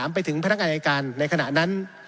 ไปถึงพนักงานอายการในขณะนั้น